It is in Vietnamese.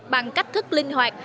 bằng cách thức linh hoạt